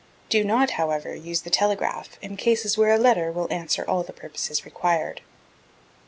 Do not, however, use the telegraph in cases where a letter will answer all the purposes required.